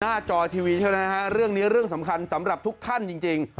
จอทีวีใช่ไหมฮะเรื่องนี้เรื่องสำคัญสำหรับทุกท่านจริง